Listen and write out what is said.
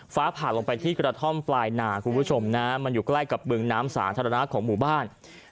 ฟ้าผ่าลงไปที่กระท่อมปลายนาคุณผู้ชมนะมันอยู่ใกล้กับบึงน้ำสาธารณะของหมู่บ้าน